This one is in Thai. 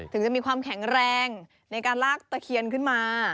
ถึงจะมีความแข็งแรงในการลากตะเคียนขึ้นมา